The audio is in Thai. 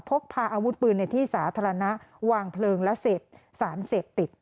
พกพาอาวุธปืนในที่สาธารณะวางเพลิงและเสพสารเสพติด